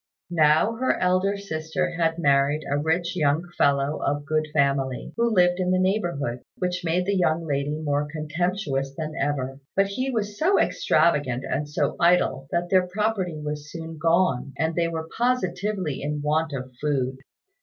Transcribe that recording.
Now her elder sister had married a rich young fellow of good family, who lived in the neighbourhood, which made the young lady more contemptuous than ever; but he was so extravagant and so idle that their property was soon gone, and they were positively in want of food.